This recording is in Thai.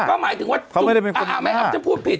ก็หมายถึงว่าอ้าวฉันพูดผิด